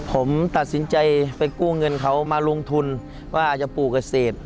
ผมตัดสินใจไปกู้เงินเขามาลงทุนว่าอาจจะปลูกเกษตร